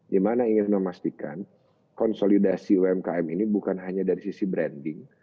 dimana ingin memastikan konsolidasi umkm ini bukan hanya dari sisi branding